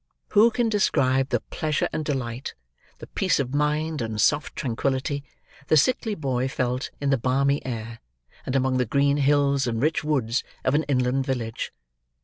Who can describe the pleasure and delight, the peace of mind and soft tranquillity, the sickly boy felt in the balmy air, and among the green hills and rich woods, of an inland village!